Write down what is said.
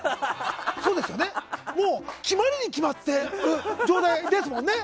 もう決まりに決まっている状態ですもんね。